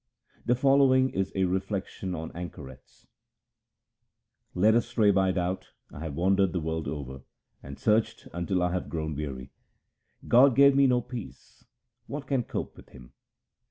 The following is a reflection on anchorets :— Led astray by doubt, I have wandered the world over, and searched until I have grown weary. God gave me no peace ; what can cope with Him